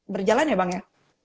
berjalan ya bang ya